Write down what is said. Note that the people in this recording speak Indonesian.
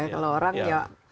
kalau orang ya